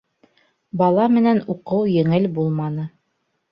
Бала менән уҡыу еңел булманы.